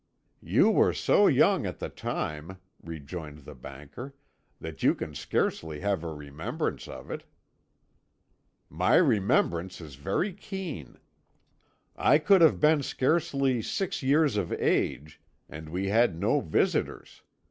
"You were so young at the time," rejoined the banker, "that you can scarcely have a remembrance of it." "My remembrance is very keen. I could have been scarcely six years of age, and we had no visitors.